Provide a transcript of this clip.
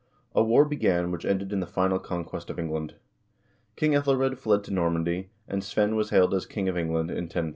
A war began which ended in the final conquest of England. King iEthelred fled to Normandy, and Svein was hailed as king of England in 1013.